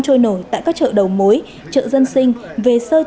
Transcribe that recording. trôi nổi tại các chợ đầu mối chợ dân sinh về sơ chế chế biến để bán ra thị trường